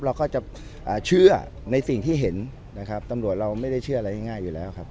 เราก็จะเชื่อในสิ่งที่เห็นนะครับตำรวจเราไม่ได้เชื่ออะไรง่ายอยู่แล้วครับ